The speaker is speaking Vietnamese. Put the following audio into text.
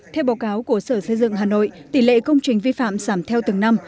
theo báo cáo của sở xây dựng hà nội tỷ lệ công trình vi phạm giảm theo từng năm